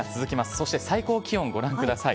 そして最高気温、ご覧ください。